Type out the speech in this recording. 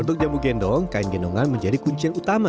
untuk jamu gendong kain gendongan menjadi kunci yang utama